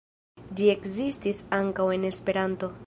Ĝi ekzistas ankaŭ en Esperanto.